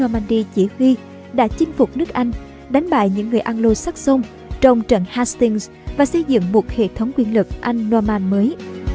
normandy chỉ huy đã chinh phục nước anh đánh bại những người anglo saxon trong trận hastings và xây dựng một hệ thống quyền lực anh norman mới